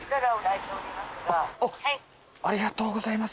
ありがとうございます。